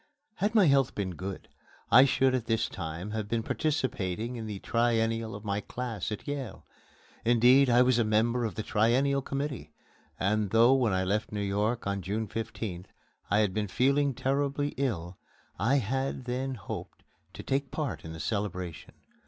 Had my health been good, I should at this time have been participating in the Triennial of my class at Yale. Indeed, I was a member of the Triennial Committee and though, when I left New York on June 15th, I had been feeling terribly ill, I had then hoped to take part in the celebration.